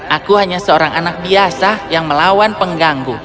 aku hanya seorang anak biasa yang melawan pengganggu